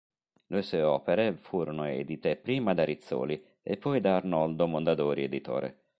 Le sue opere furono edite prima da Rizzoli e poi da Arnoldo Mondadori Editore.